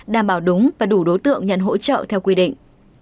đảm bảo đúng và đủ đối tượng nhận hỗ trợ theo quy định